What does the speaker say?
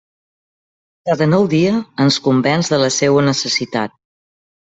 Cada nou dia ens convenç de la seua necessitat.